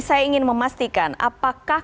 saya ingin memastikan apakah